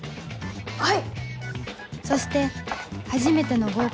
はい。